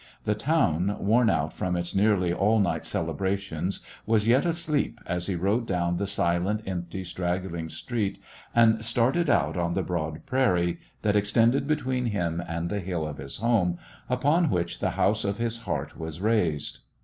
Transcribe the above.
The town, worn out from its nearly all night celebrations, was yet asleep as he rode down the silent, empty, straggling street and started out on the broad prairie that extended be tween him and the hill of his home, upon which the house of his heart was raised.